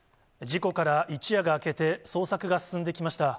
事故から一夜が明けて、捜索が進んできました。